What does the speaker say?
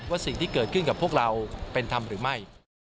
สิ่งที่เกิดขึ้นกับพวกเราเป็นธรรมหรือไม่